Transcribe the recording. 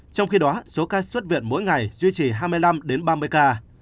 trong khi đó số ca xuất viện mỗi ngày duy trì hai mươi năm đến ba mươi ca